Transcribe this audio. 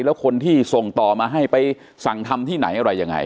แล้วคนที่ส่งต่อมาให้ไปสั่งทำที่ไหนอะไรยังไง